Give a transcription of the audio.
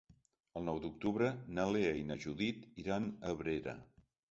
El nou d'octubre na Lea i na Judit iran a Abrera.